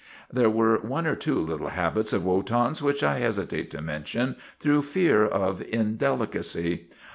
There were one or two little habits of Wotan's which I hesitate to mention through fear of indeli cacy.